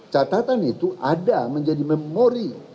catatan itu ada menjadi memori